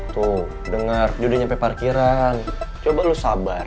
tuh dengar dia udah nyampe parkiran coba lo sabar